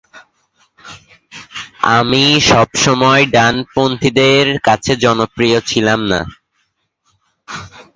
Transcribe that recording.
আমি সবসময় ডানপন্থীদের কাছে জনপ্রিয় ছিলাম না।